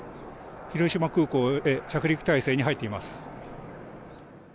広島空港へ着陸態勢に入っています。